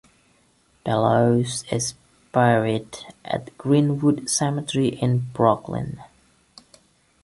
Bellows is buried at Green-Wood Cemetery in Brooklyn.